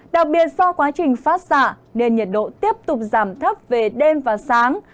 đặc biệt do quá trình phát xạ nên nhiệt độ tiếp tục giảm thấp về đêm và sáng